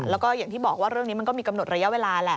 แล้วก็อย่างที่บอกว่าเรื่องนี้มันก็มีกำหนดระยะเวลาแหละ